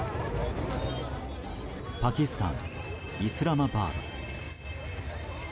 パキスタン・イスラマバード。